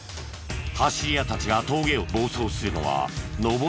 走り屋たちが峠を暴走するのは上り坂のみ。